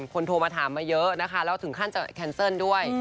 โทรมาถามมาเยอะนะคะแล้วถึงขั้นจะแคนเซิลด้วย